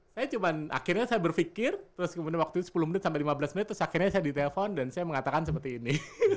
saya cuma akhirnya saya berpikir terus kemudian waktu itu sepuluh menit sampai lima belas menit terus akhirnya saya ditelepon dan saya mengatakan seperti ini